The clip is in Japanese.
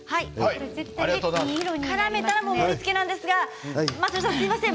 からめたら盛りつけなんですがすみません